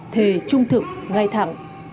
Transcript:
thề trung thực ngay thẳng